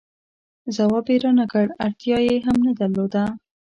ځواب یې را نه کړ، اړتیا یې هم نه درلوده.